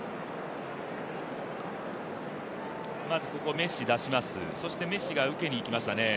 まずメッシ出します、メッシが受けにいきましたね。